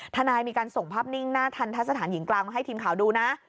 ทนายมีการส่งภาพนิ่งหน้าทันทะสถานหญิงกลางมาให้ทีมข่าวดูนะ